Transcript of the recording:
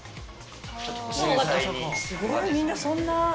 すごいみんなそんな。